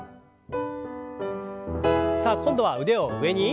さあ今度は腕を上に。